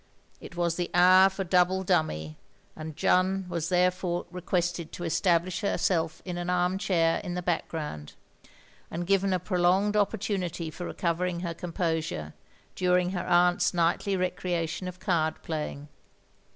It was the hour for double dimimy, and Jeanne was therefore OF GROSVENOR SQUARE 9 requested to establish herself in an arm chair in the background, and given a prolonged oppor tunity for recovering her composure, dtiring her atmt*s nightly recreation of card playing.